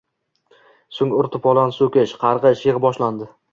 so’ng ur-to’polon, so’kish, qarg’ish, yig’i boshlandi.